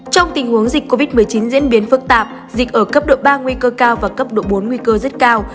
trong tình huống dịch covid một mươi chín diễn biến phức tạp dịch ở cấp độ ba nguy cơ cao và cấp độ bốn nguy cơ rất cao